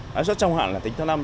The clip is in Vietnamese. lãi suất trong hạn là tính theo năm